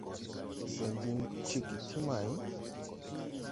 Sɛn diŋ ceege ti may !